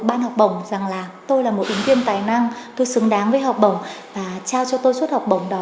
ban học bổng rằng là tôi là một ứng viên tài năng tôi xứng đáng với học bổng và trao cho tôi suốt học bổng đó